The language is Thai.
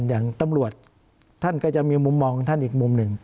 อย่างตำรวจท่านก็จะมีมุมมองของท่านอีกมุมหนึ่ง